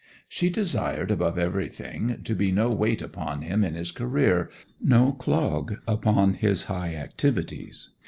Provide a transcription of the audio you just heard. She desired above everything to be no weight upon him in his career, no clog upon his high activities.